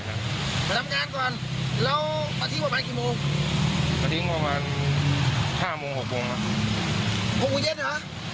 เดินท่ามคู่ไมล์มานะท่ามตรงนี่นะ